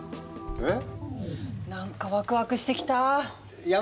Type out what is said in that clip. えっ。